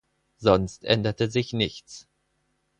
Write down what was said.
Sonst änderte sich nichts.